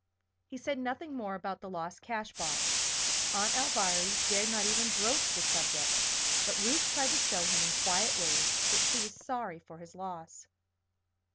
He said nothing more about the lost cash box Aunt Alviry dared not even broach the subject but Ruth tried to show him in quiet ways that she was sorry for his loss.